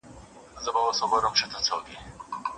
ستا دي خپل خلوت روزي سي پر کتاب که ډېوه ستړې